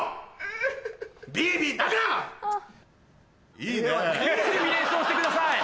いいシミュレーションしてください。